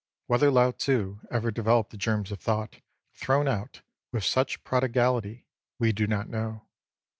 Whether Lao Tzu ever developed the germs of thought thrown out with such prodigality, we do not know.